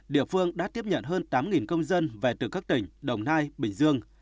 địa phương đã tiếp nhận hơn tám công dân về từ các tỉnh đồng nai bình dương